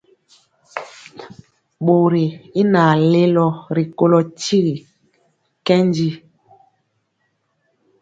Bori y naŋ lelo rikolo tyigi nkɛndi.